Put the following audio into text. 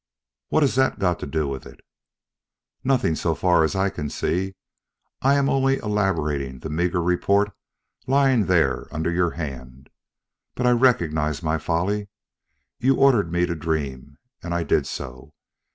"What has that got to do with it?" "Nothing so far as I can see. I am only elaborating the meager report lying there under your hand. But I recognize my folly. You ordered me to dream, and I did so.